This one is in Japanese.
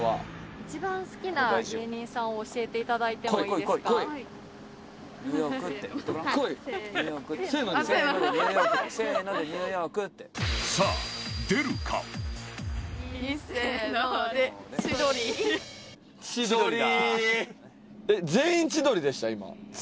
２番目に好きな芸人さんを教えていただきたいんですが。